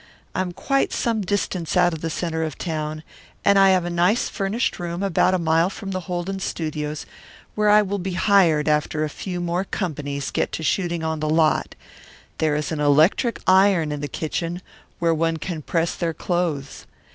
I am quite some distance out of the centre of town, and I have a nice furnished room about a mile from the Holden studios, where I will be hired after a few more companies get to shooting on the lot. There is an electric iron in the kitchen where one can press their clothes.